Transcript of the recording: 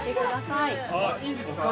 ◆いいんですか？